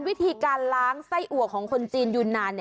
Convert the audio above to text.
วิธีการล้างไส้อัวของคนจีนยูนาน